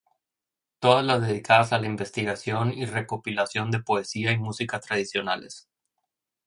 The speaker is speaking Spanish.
Todas dedicadas a la investigación y recopilación de poesía y música tradicionales.